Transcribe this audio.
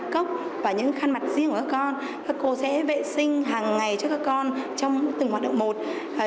cốc và những khăn mặt riêng của các con các cô sẽ vệ sinh hàng ngày cho các con trong từng hoạt động một